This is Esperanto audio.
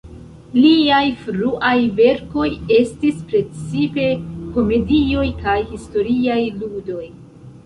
Liaj fruaj verkoj estis precipe komedioj kaj historiaj ludoj.